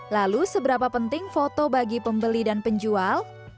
lalu seberapa penting foto bagi pembeli dan penjual